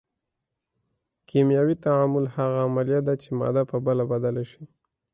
کیمیاوي تعامل هغه عملیه ده چې ماده په بله بدله شي.